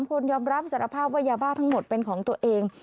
คนยอมรับสารภาพว่ายาบ้าทั้งหมดเป็นของตัวเอง